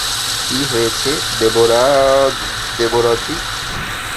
কী হয়েছে, দেবরজি?